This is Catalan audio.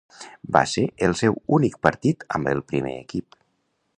Va ser el seu únic partit amb el primer equip.